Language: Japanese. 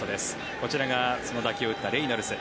こちらがその打球を打ったレイノルズ。